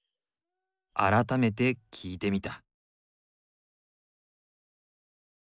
改めて聞いてみた。